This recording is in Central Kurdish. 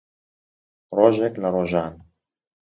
ڕۆژێک لە ڕۆژان